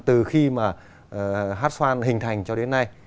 từ khi mà hát xoan hình thành cho đến nay